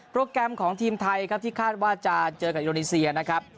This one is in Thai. โปรแกรมของทีมไทยที่คาดว่าจะเจอกับอิโรนิเซียนะครับ